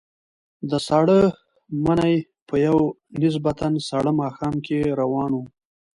د ساړه مني په یوه نسبتاً ساړه ماښام کې روان وو.